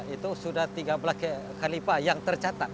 itu sudah tiga belas kalipa yang tercatat